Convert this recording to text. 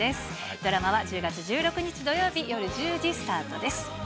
ドラマは１０月１６日土曜日夜１０時スタートです。